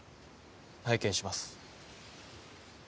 拝見します。